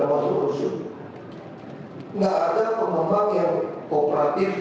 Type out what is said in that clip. mereka sudah jalan deklamasi pak